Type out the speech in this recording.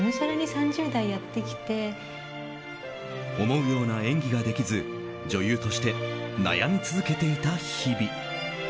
思うような演技ができず女優として悩み続けていた日々。